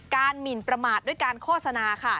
หมินประมาทด้วยการโฆษณาค่ะ